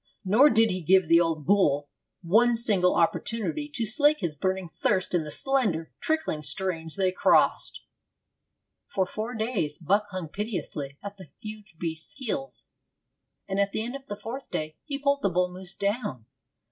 Nor did he give the old bull one single opportunity to slake his burning thirst in the slender, trickling streams they crossed.' For four days Buck hung pitilessly at the huge beast's heels, and at the end of the fourth day he pulled the bull moose down.